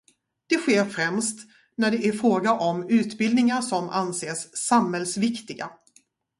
Det sker främst när det är fråga om utbildningar som anses samhällsviktiga.